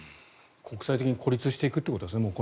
国際的に孤立していくということですね。